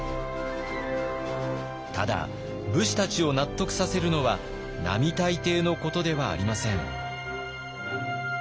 ただ武士たちを納得させるのは並大抵のことではありません。